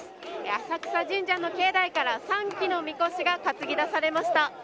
浅草神社の境内から３基のみこしが担ぎ出されました。